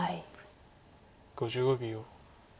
５５秒。